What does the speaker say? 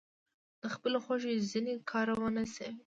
د خپلې خوښې ځینې کارونه شوي.